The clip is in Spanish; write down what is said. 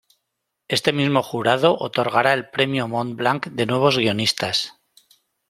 Este mismo Jurado otorgará el Premio Montblanc de Nuevos Guionistas.